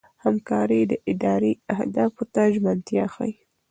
همکاري د ادارې اهدافو ته ژمنتیا ښيي.